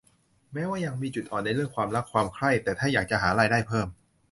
แม้ว่ายังมีจุดอ่อนในเรื่องความรักความใคร่ แต่ถ้าอยากจะหารายได้เพิ่ม